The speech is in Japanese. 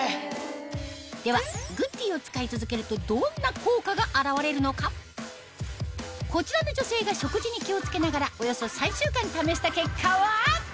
ではグッデイをこちらの女性が食事に気を付けながらおよそ３週間試した結果は？